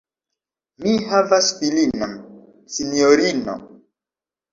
Mi havas filinon, sinjorino!